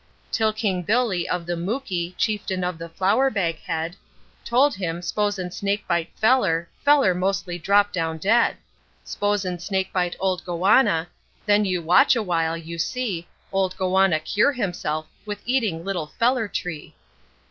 Till King Billy, of the Mooki, chieftain of the flour bag head, Told him, 'Spos'n snake bite pfeller, pfeller mostly drop down dead; Spos'n snake bite old goanna, then you watch a while you see, Old goanna cure himself with eating little pfeller tree.'